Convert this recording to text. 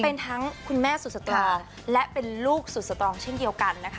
เป็นทั้งคุณแม่สุดสตรองและเป็นลูกสุดสตรองเช่นเดียวกันนะคะ